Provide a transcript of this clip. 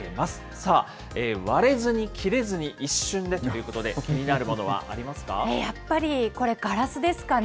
さあ、割れずに、切れずに、一瞬でということで、気になるものはやっぱりこれ、ガラスですかね。